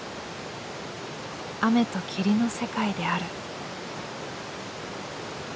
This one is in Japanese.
雨と霧の世界である」。